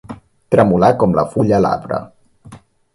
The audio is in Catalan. Tremolar com la fulla a l'arbre.